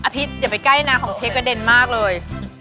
พี่อย่าไปใกล้นะของเชฟกระเด็นมากเลย